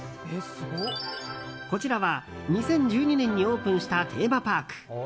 こちらは２０１２年にオープンしたテーマパーク。